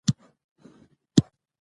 افغانستان له سیلانی ځایونه ډک دی.